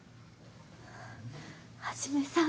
一さん